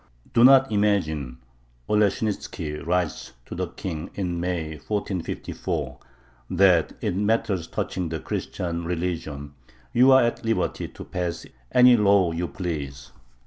Do not imagine Oleshnitzki writes to the King in May, 1454 that in matters touching the Christian religion you are at liberty to pass any law you please.